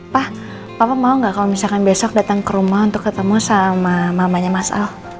pak papa mau nggak kalau misalkan besok datang ke rumah untuk ketemu sama mamanya mas ahok